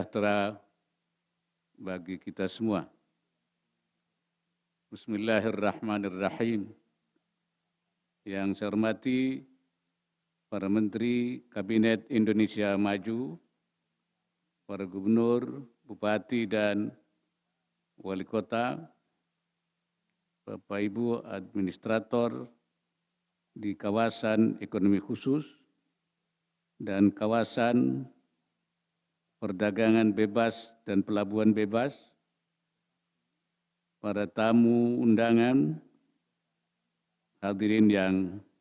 terbaik pertama kementerian perhubungan